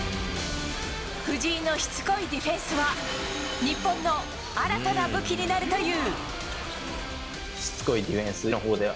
藤井のしつこいディフェンスは日本の新たな武器になるという。